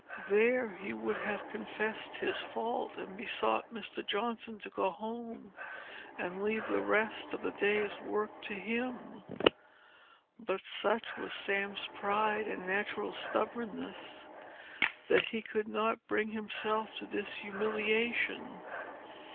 There he would have confessed his fault, and besought Mr. Johnson to go home, and leave the rest of the day's work to him. But such was Sam's pride and natural stubbornness, that he could not bring himself to this humiliation.